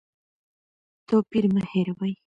توپیر مه هېروئ.